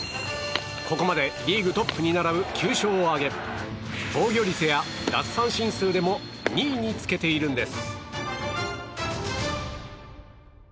ここまで、リーグトップに並ぶ９勝を挙げ防御率や奪三振数でも２位につけているんです。